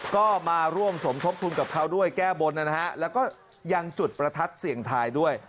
ก็มาร่วมสมทบทุนกับเขาด้วยแก้บนนะฮะแล้วก็ยังจุดประทัดเสี่ยงทายด้วย